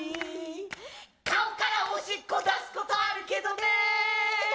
「顔からおしっこ出すことあるけどネー！」